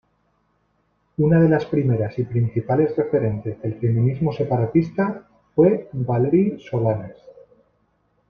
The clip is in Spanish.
Una de las primeras y principales referentes del feminismo separatista fue Valerie Solanas.